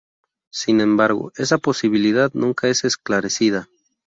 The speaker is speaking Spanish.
Sin embargo, esa posibilidad nunca es esclarecida.